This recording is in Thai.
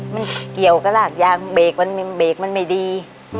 มันเกี่ยวกับรากยางเบรกมันเบรกมันไม่ดี